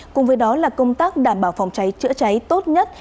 cùng với đó là công tác đảm bảo phòng cháy chữa cháy tốt nhất